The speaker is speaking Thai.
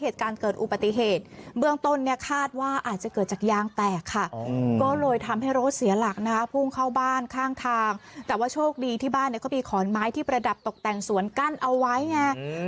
แต่ว่าโชคดีที่บ้านเนี่ยก็มีขอนไม้ที่ประดับตกแต่งสวนกั้นเอาไว้ไง